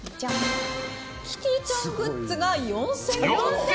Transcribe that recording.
キティちゃんグッズが４０００個。